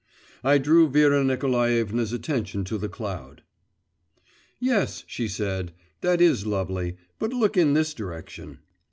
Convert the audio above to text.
I drew Vera Nikolaevna's attention to the cloud. 'Yes,' she said, 'that is lovely; but look in this direction.